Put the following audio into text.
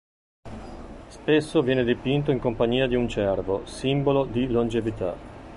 Spesso viene dipinto in compagnia di un cervo, simbolo di longevità.